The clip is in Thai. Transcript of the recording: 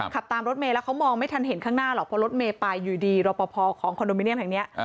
ขับตามรถเมย์แล้วเขามองไม่ทันเห็นข้างหน้าหรอกเพราะรถเมย์ไปอยู่ดีรอปภของคอนโดมิเนียมแห่งนี้